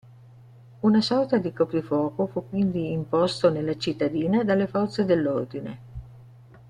Una sorta di coprifuoco fu quindi imposto nella cittadina dalle forze dell'ordine.